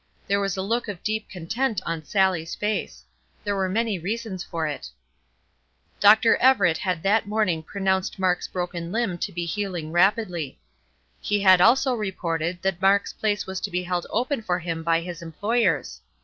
There was a look of deep content on Sallie's face. There were many reasons for it. Dr. Everett had that morning pronounced Mark's broken limb to be healing rapidly. He had also reported that Mark's place was to be held open for him by his employers.